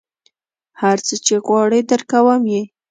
هر څه چې غواړې درکوم یې.